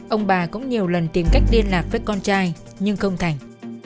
ông bà cũng nhiều lần tìm cách liên lạc với con trai nhưng không thành